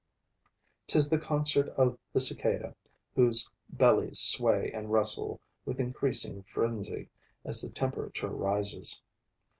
'Tis the concert of the Cicada, whose bellies sway and rustle with increasing frenzy as the temperature rises.